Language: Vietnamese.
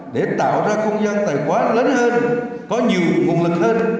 để tạo ra không gian tài quá lớn hơn có nhiều nguồn lực hơn